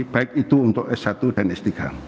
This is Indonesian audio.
baik itu untuk s satu dan s tiga